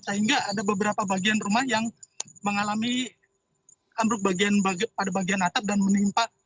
sehingga ada beberapa bagian rumah yang mengalami ambruk pada bagian atap dan menimpa